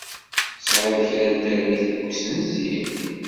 Tesɛiḍ kra n termit deg ussenzi?